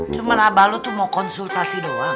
cuman abah lu tuh mau konsultasi doang